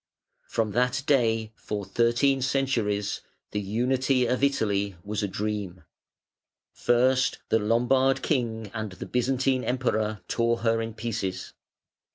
From that day for thirteen centuries the unity of Italy was a dream. First the Lombard King and the Byzantine Emperor tore her in pieces.